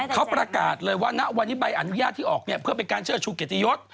เขาประกาศเลยว่าณวันนี้ใบอนุญาตที่ออกเนี่ยเพื่อเป็นการเชื่อชูเกียรติยศ